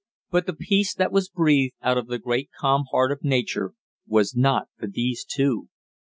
But the peace that was breathed out of the great calm heart of nature was not for these two!